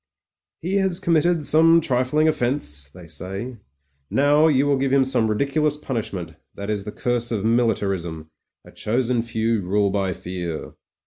"He has committed some trifling offence," they say; "now you will give him some ridiculous punish ment. That is the curse of militarism — 3, chosen few rule by Fear."